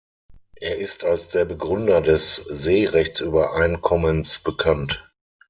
Er ist als der Begründer des Seerechtsübereinkommens bekannt.